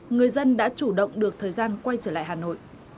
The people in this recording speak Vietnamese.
người dân đã chủ động được thời gian quay trở lại hà nội